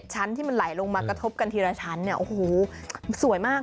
ชั้นที่มันไหลลงมากระทบกันทีละชั้นเนี่ยโอ้โหสวยมาก